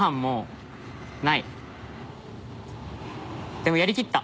でもやりきった。